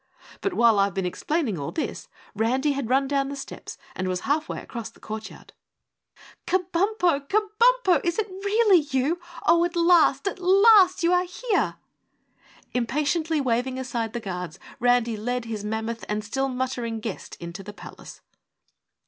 But while I've been explaining all this, Randy had run down the steps and was half way across the courtyard. "Kabumpo, KABUMPO, is it really you? Oh, at last AT LAST you are here!" Impatiently waving aside the guards, Randy led his mammoth and still muttering guest into the palace.